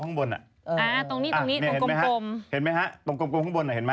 โตรงนี้ตรงกลมข้างบน